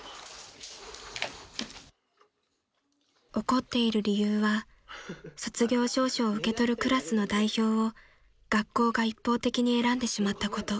［怒っている理由は卒業証書を受け取るクラスの代表を学校が一方的に選んでしまったこと］